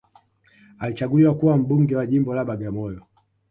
alichaguliwa kuwa mbunge wa jimbo la bagamoyo